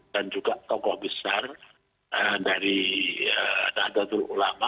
dan juga tokoh besar dari tata turulama